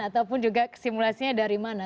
ataupun juga simulasinya dari mana